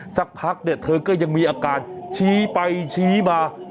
สักพักเนี่ยเธอก็ยังมีอาการชี้ไปชี้มา